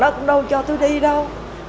nó không có đâu cho tụi đi đâu